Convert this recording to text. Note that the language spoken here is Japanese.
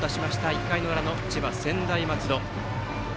１回の裏の千葉・専大松戸。